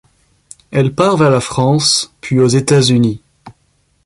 Elle part vers la France, puis aux États-Unis.